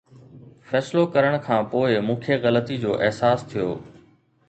فيصلو ڪرڻ کان پوءِ مون کي غلطي جو احساس ٿيو.